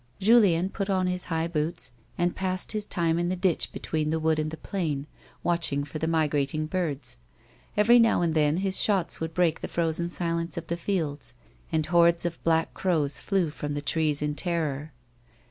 Julien put on his high boots, and passed his time in the ditch between the wood and the plain, watching for the migrating birds. Every now and then his shots would A WOMAN'S LIFE. 07 lireaU the frozon Kili'nc(> of tlio fields, ;inil liordos of black crows llcw from tiic trees in ten'or.